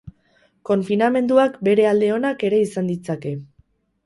Konfinamenduak bere alde onak ere izan ditzake.